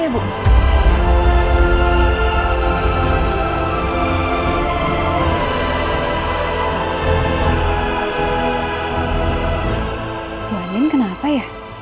bu andien kenapa ya